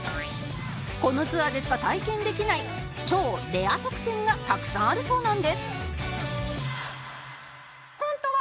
このツアーでしか体験できない超レア特典がたくさんあるそうなんです